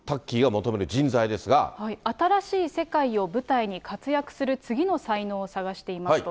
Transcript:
新しい世界を舞台に活躍する次の才能を探していますと。